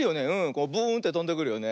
こうブーンってとんでくるよね。